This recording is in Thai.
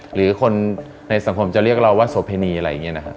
หรือคนในสังคมจะเรียกเราว่าโสเพณีอะไรอย่างนี้นะครับ